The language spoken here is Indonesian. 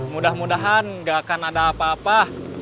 mudah mudahan gak akan ada apa apa